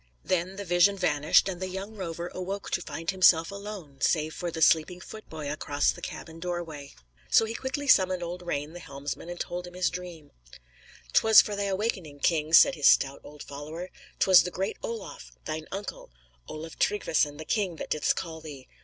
Then the vision vanished and the young rover awoke to find himself alone, save for the sleeping foot boy across the cabin door way. So he quickly summoned old Rane, the helmsman, and told his dream. "'Twas for thy awakening, king," said his stout old follower. "'Twas the great Olaf, thine uncle, Olaf Tryggvesson the king, that didst call thee.